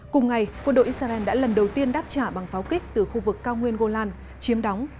cùng ngày quân đội israel đã lần đầu tiên đáp trả bằng pháo kích từ khu vực cao nguyên golan chiếm đóng